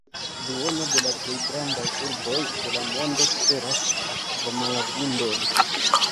Duono de la plej grandaj urboj de la mondo suferas akvomalabundon.